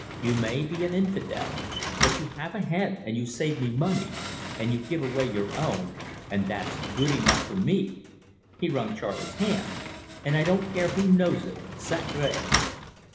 You may be an infidel, but you have a head, and you save me money, and you give away your own, and that's good enough for me," he wrung Charley's hand, "and I don't care who knows it sacre!"